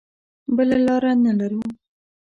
بله لاره نه لرو.